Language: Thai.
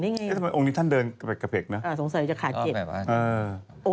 แกล้งแกล้งแกล้งแกล้งแกล้งแกล้งแกล้ง